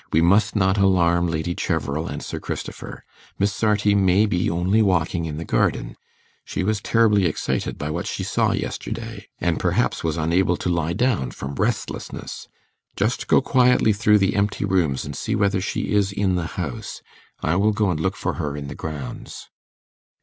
We must not alarm Lady Cheverel and Sir Christopher. Miss Sarti may be only walking in the garden. She was terribly excited by what she saw yesterday, and perhaps was unable to lie down from restlessness. Just go quietly through the empty rooms, and see whether she is in the house. I will go and look for her in the grounds.